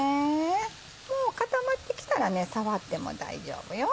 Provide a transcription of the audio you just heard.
もう固まってきたら触っても大丈夫よ。